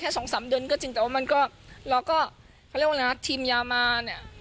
แค่สองสามเดือนก็จริงแต่ว่ามันก็เราก็เขาเรียกว่าทีมยามา